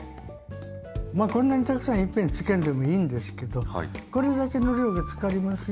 こんなにたくさんいっぺんに漬けんでもいいんですけどこれだけの量が漬かりますよ。